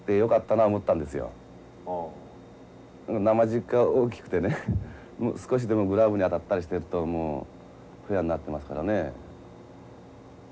なまじっか大きくてね少しでもグラブに当たったりしてるともうフェアになってますからね。